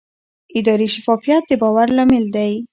اداري شفافیت د باور لامل دی